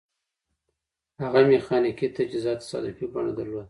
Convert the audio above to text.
هغه میخانیکي تجهیزات تصادفي بڼه درلوده